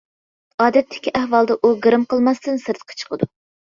ئادەتتىكى ئەھۋالدا ئۇ گىرىم قىلماستىن سىرتقا چىقىدۇ.